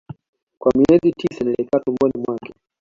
Kwa miezi tisa nilikaa tumboni mwake